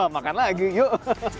makan lagi yuk